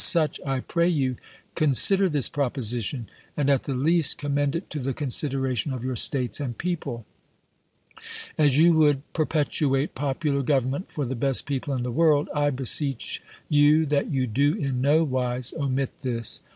such I pray you consider this proposition ; and at the least chap. v. commend it to the consideration of your States and people. As you would perpetuate popular government for the best people in the world, I beseech you that you do in no wise omit this.